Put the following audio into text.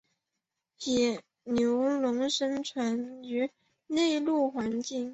野牛龙生存于内陆环境。